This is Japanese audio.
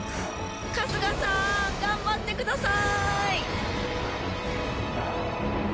春日さーん、頑張ってくださーい。